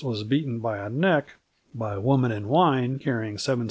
was beaten by a neck by Woman and Wine, carrying 7 st.